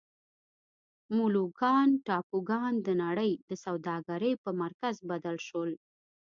مولوکان ټاپوګان د نړۍ د سوداګرۍ پر مرکز بدل شول.